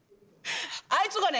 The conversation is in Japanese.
あいつがね。